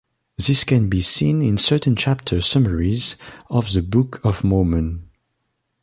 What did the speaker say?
This can be seen in certain chapter summaries of the Book of Mormon.